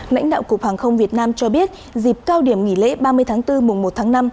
lãnh đạo cục hàng không việt nam cho biết dịp cao điểm nghỉ lễ ba mươi tháng bốn mùa một tháng năm